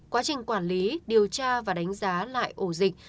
quá trình quản lý điều tra và đánh giá lại ổ dịch